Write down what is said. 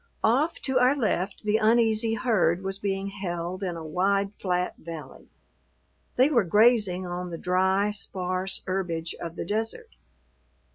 Off to our left the uneasy herd was being held in a wide, flat valley. They were grazing on the dry, sparse herbage of the desert.